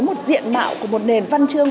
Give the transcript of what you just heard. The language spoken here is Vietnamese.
một diện mạo của một nền văn chương